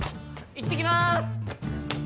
いってきます！